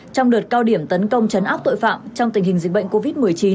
trong đợt cao điểm tấn công chấn áp tội phạm trong tình hình dịch bệnh covid một mươi chín